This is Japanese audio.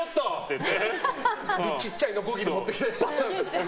ちっちゃいノコギリ持ってきて。